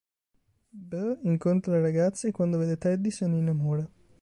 Beau incontra le ragazze e quando vede Teddy, se ne innamora.